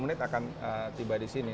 tiga puluh menit akan tiba di sini